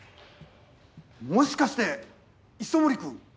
もしかして磯森君？